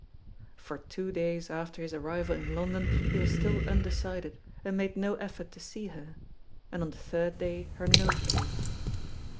For two days after his arrival in London he was still undecided, and made no effort to see her, and on the third day her note came.